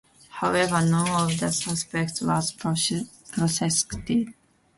However, none of the suspects was prosecuted.